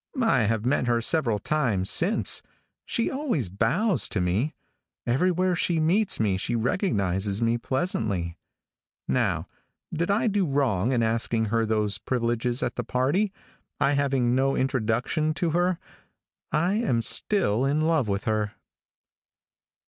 I have met her several times since. She always bows to me. Everywhere she meets me she recognizes me pleasantly. How, did I do wrong in asking her those privileges at the party, I having no introduction to her? I am still in love with her."